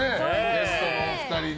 ゲストのお二人に。